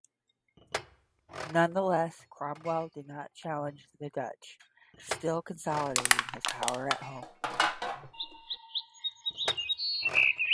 Nonetheless, Cromwell did not challenge the Dutch, still consolidating his power at home.